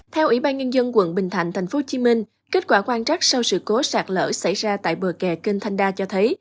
theo ủy ban nhân dân quận bình thạnh tp hcm kết quả quan trắc sau sự cố sạt lở xảy ra tại bờ kè kênh thanh đa cho thấy